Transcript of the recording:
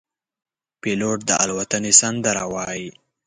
پیلوټ د الوتنې سندره وايي.